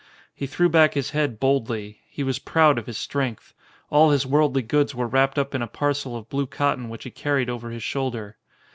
He threw back his head boldly. He was proud of his strength. All his worldly goods were wrapped up in a parcel of blue cot ton which he carried over his shoulder.